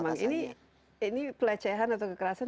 memang ini pelecehan atau kekerasan